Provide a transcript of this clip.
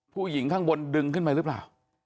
ผู้หญิงข้างบนดึงขึ้นไปหรือเปล่า